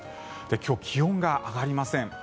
今日、気温が上がりません。